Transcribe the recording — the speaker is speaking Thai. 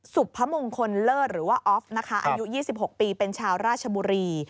สุพมงคลเลิศหรือว่าออฟนะคะอายุ๒๖ปีเป็นชาวราชบุรี